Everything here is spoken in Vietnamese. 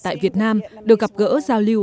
tại việt nam được gặp gỡ giao lưu